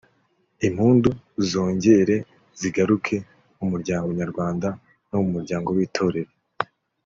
impundu zongere zigaruke mu muryango nyarwanda no mu muryango w’Itorero